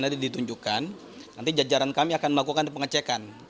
nanti ditunjukkan nanti jajaran kami akan melakukan pengecekan